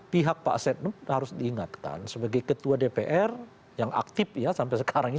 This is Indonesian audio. pihak pak setnom harus diingatkan sebagai ketua dpr yang aktif ya sampai sekarang ini